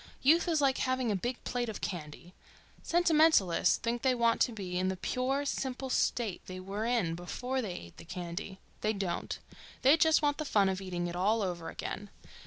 Youth is like having a big plate of candy. Sentimentalists think they want to be in the pure, simple state they were in before they ate the candy. They don't. They just want the fun of eating it all over again.